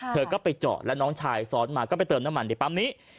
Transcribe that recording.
เธอก็ไปจอดแล้วน้องชายซ้อนมาก็ไปเติมน้ำมันในปั๊มนี้